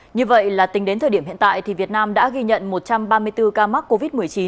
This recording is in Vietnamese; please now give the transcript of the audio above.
như vậy là tính đến thời điểm hiện tại thì việt nam đã ghi nhận một trăm ba mươi bốn ca mắc covid một mươi chín